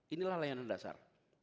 inilah layanan dasar